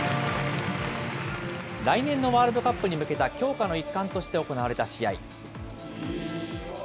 来年のワールドカップに向けた強化の一環として行われた試合。